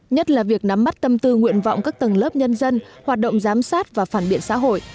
nhất là việc nắm bắt tâm tư nguyện vọng các tầng lớp nhân dân hoạt động giám sát và phản biện xã hội